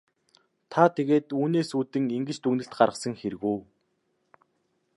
Та тэгээд үүнээс үүдэн ингэж дүгнэлт гаргасан хэрэг үү?